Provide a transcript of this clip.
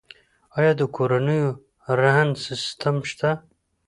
آیا د کورونو رهن سیستم شته؟